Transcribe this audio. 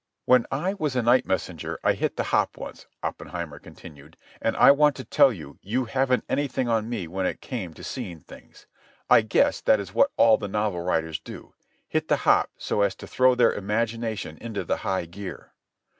"When I was a night messenger I hit the hop once," Oppenheimer continued. "And I want to tell you you haven't anything on me when it came to seeing things. I guess that is what all the novel writers do—hit the hop so as to throw their imagination into the high gear."